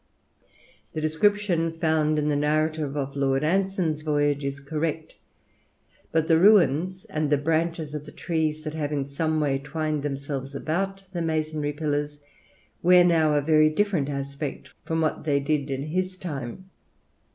"The description found in the narrative of Lord Anson's voyage is correct; but the ruins and the branches of the trees that have in some way twined themselves about the masonry pillars, wear now a very different aspect from what they did in his time.